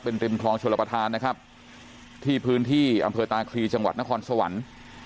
ริมคลองชลประธานนะครับที่พื้นที่อำเภอตาคลีจังหวัดนครสวรรค์